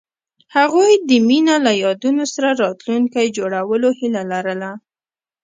هغوی د مینه له یادونو سره راتلونکی جوړولو هیله لرله.